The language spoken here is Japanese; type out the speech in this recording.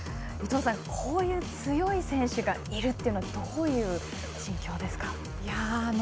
伊藤さん、こういう強い選手がいるというのはどういう心境ですか？